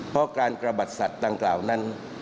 เพราะการกระบัดศัตริย์ต่างกล่าวนั้น